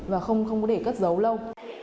và không để cất dấu lâu